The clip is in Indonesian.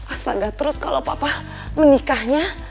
astaga terus kalau papa menikahnya